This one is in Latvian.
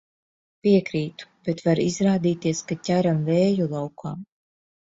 Piekrītu, bet var izrādīties, ka ķeram vēju laukā.